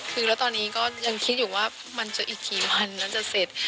คือแล้วตอนนี้ก็ยังคิดอยู่ว่ามันจะอีกกี่วันแล้วจะเสร็จ